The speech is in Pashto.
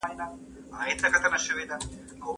د امیر وروڼه په هغه کال کي مړه شول.